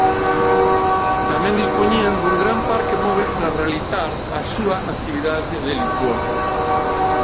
Tamén dispoñían dun gran parque móbil para realizar as súa actividade delituosa.